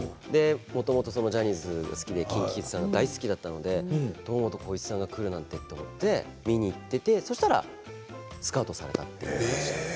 もともとジャニーズが好きでＫｉｎＫｉＫｉｄｓさんが大好きなので堂本さんが来るなんてと思って見に行っていたらスカウトされたんです。